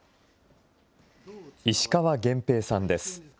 石川元平さんです。